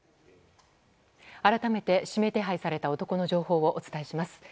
改めて指名手配された男の情報をお伝えします。